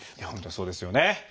本当そうですよね。